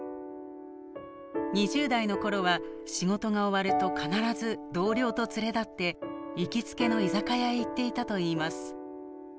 ２０代の頃は仕事が終わると必ず同僚と連れ立って行きつけの居酒屋へ行っていたといいます。